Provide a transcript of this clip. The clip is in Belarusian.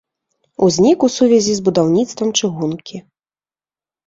Узнік у сувязі з будаўніцтвам чыгункі.